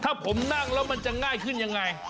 ถ้าผมนั่งแล้วมันจะง่ายขึ้นยังไง